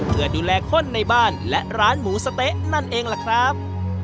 เพื่อดูแลคนในบ้านและร้านหมูสะเต๊ะนั่นเองล่ะครับ